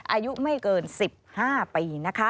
อายุไม่เกิน๑๕ปีนะคะ